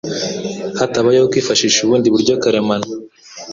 hatabayeho kwifashisha ubundi buryo karemano.